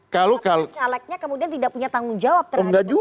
kalau calegnya kemudian tidak punya tanggung jawab terhadap dukungan